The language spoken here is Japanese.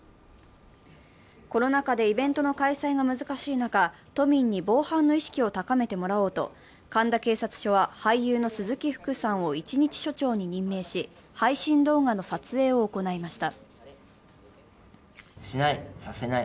コロナ禍でイベントの開催が難しい中、都民に防犯の意識を高めてもらおうと神田警察署は俳優の鈴木福さんを一日署長に任命し、配信動画の撮影を行いました。